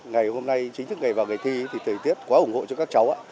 ngày hôm nay chính thức ngày vào ngày thi thì thời tiết quá ủng hộ cho các cháu